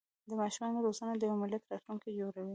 د ماشومانو روزنه د یو ملت راتلونکی جوړوي.